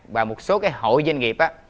và một số cái hội doanh nghiệp á